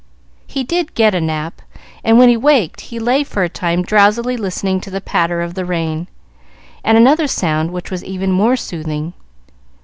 He did get a nap, and when he waked he lay for a time drowsily listening to the patter of the rain, and another sound which was even more soothing.